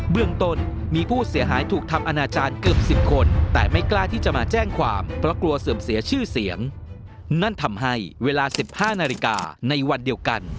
เรื่องต้นมีผู้เสียหายถูกทำอนาจารย์เกือบ๑๐คนแต่ไม่กล้าที่จะมาแจ้งความเพราะกลัวเสื่อมเสียชื่อเสียงนั่นทำให้เวลา๑๕นาฬิกาในวันเดียวกัน